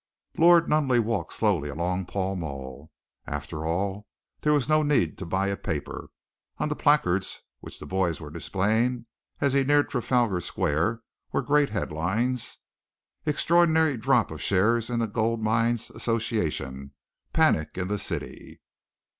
Lord Nunneley walked slowly along Pall Mall. After all, there was no need to buy a paper. On the placards which the boys were displaying as he neared Trafalgar Square were great headlines, EXTRAORDINARY DROP OF SHARES IN THE GOLD MINES ASSOCIATION. PANIC IN THE CITY.